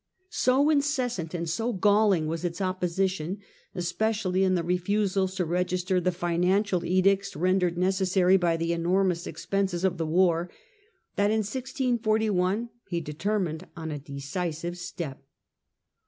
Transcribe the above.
So incessant and so galling was its opposition, especially in the refusals to register the financial edicts rendered Declaration necessary by the enormous expenses of the of 1641. wa r, t h at j n he determined on a decisive step.